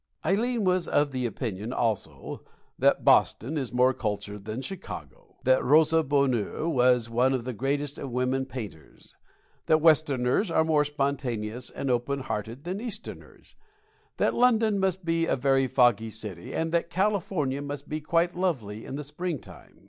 Ileen was of the opinion, also, that Boston is more cultured than Chicago; that Rosa Bonheur was one of the greatest of women painters; that Westerners are more spontaneous and open hearted than Easterners; that London must be a very foggy city, and that California must be quite lovely in the springtime.